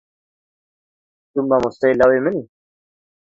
Tu mamosteyê lawê min î.